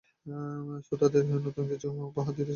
শ্রোতাদের নতুন কিছু উপহার দিতে চেয়েছেন তিনি এ গানের মধ্য দিয়ে।